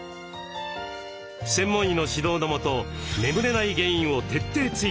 専門医の指導のもと眠れない原因を徹底追究。